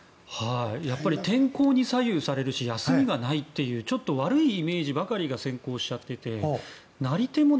天候に左右されるし休みがないというちょっと悪いイメージばかりが先行しちゃっていてなり手も